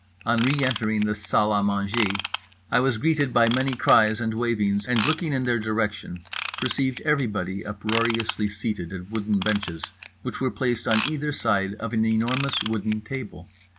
On re entering the salle à manger I was greeted by many cries and wavings, and looking in their direction perceived everybody uproariously seated at wooden benches which were placed on either side of an enormous wooden table.